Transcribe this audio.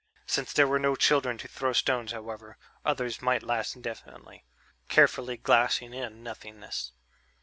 Since there were no children to throw stones, however, others might last indefinitely, carefully glassing in nothingness.